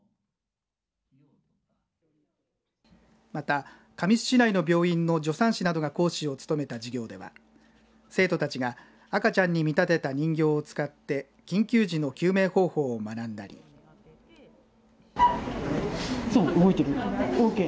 また、神栖市内の病院の助産師などが講師を務めた授業では生徒たちが、赤ちゃんに見立てた人形を使って緊急時の救命方法を学んだり動いてる、オーケー。